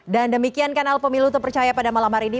dan demikian kanal pemilu tepercaya pada malam hari ini